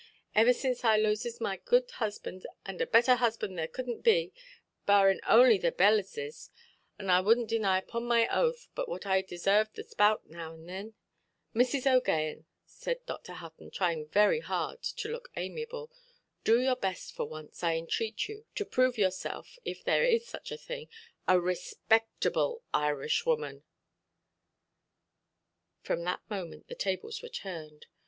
Iver since I lose my good husband—and a better husband there cudnʼt be, barrin only the bellises, and I wudnʼt deny upon my oath but what I desarved the spout now and thin——" "Mrs. OʼGaghan", said Dr. Hutton, trying very hard to look amiable, "do your best for once, I entreat you, to prove yourself, if there is such a thing, a respectable Irishwoman". From that moment the tables were turned.